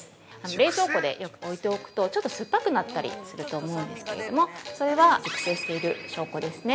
冷蔵庫でよく置いておくとちょっと酸っぱくなったりすると思うんですけれどもそれは熟成してる証拠ですね。